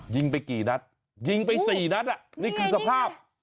ยิงไปกี่นัดยิงไปสี่นัดอ่ะนี่คือสภาพ